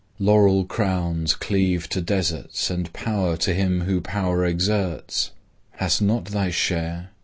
Laurel crowns cleave to deserts And power to him who power exerts; Hast not thy share?